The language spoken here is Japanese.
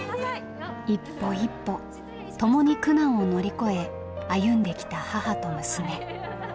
一歩一歩共に苦難を乗り越え歩んできた母と娘。